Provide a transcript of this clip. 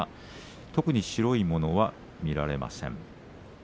特に白いものは見られません。